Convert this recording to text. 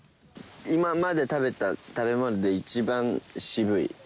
今まで食べた食べ物で一番渋い。